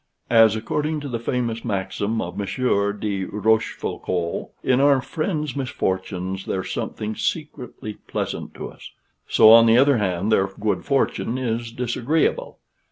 As, according to the famous maxim of Monsieur de Rochefoucault, "in our friends' misfortunes there's something secretly pleasant to us;" so, on the other hand, their good fortune is disagreeable.